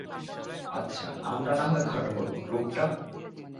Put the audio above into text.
আচ্ছা, নামটা নাহয় খাটো হল, রূপটা?